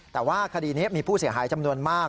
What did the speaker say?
แต่ว่าคดีนี้มีผู้เสียหายจำนวนมาก